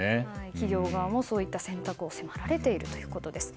企業側もそういった選択に迫られているということです。